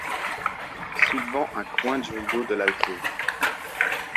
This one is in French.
Soulevant un coin du rideau de l’alcôve.